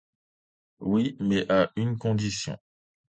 Oui, mais à une condition.